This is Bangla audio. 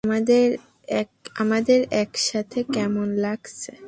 আমাদের একসাথে কেমন লাগছে?